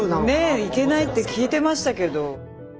ねえいけないって聞いてましたけど。